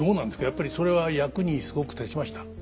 やっぱりそれは役にすごく立ちました？